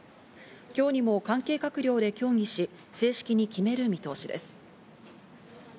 今日にも関係閣僚で協議し、正式に決める見通しです。